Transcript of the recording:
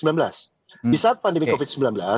di saat pandemi covid sembilan belas